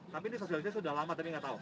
tapi ini sosialnya sudah lama tapi nggak tahu